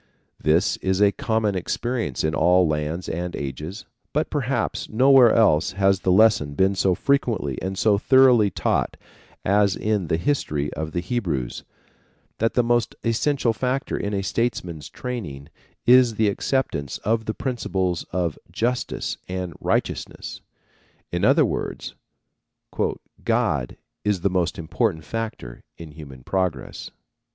This is a common experience in all lands and ages; but perhaps nowhere else has the lesson been so frequently and so thoroughly taught as in the history of the Hebrews, that the most essential factor in a statesman's training is the acceptance of the principles of justice and righteousness. In other words "God is the most important factor in human progress."